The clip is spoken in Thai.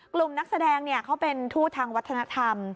กลุ่มนักแสดงเนี่ยเขาเป็นทูตทางวัฒนธรรม